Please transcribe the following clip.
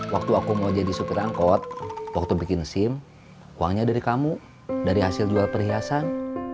waktu aku mau jadi supir angkot waktu bikin sim uangnya dari kamu dari hasil jual perhiasan